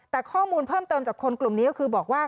แต่ข้อมูลเพิ่มเติมจากคนกลุ่มนี้ก็คือบอกว่า